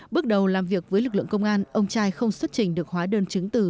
bước đầu làm việc với lực lượng công an ông trai không xuất trình được hóa đơn chứng từ